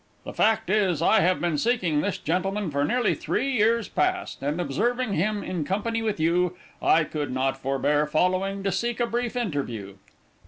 The fact is, I have been seeking this gentleman for nearly three years past, and observing him in company with you, I could not forbear following to seek a brief interview."